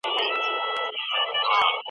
خلګو د ډیموکراسۍ ارزښتونه زده کول.